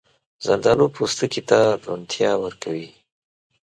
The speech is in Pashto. زردالو پوستکي ته روڼتیا ورکوي.